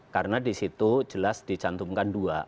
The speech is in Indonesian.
karena di situ jelas dicantumkan dua